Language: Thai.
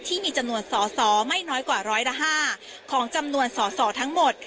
ที่มีจำนวนสอสอไม่น้อยกว่าร้อยละ๕ของจำนวนสอสอทั้งหมด